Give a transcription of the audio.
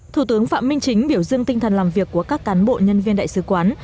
thủ tướng phạm minh chính biểu dưng tinh thần làm việc của các cán bộ nhân viên đại sứ quán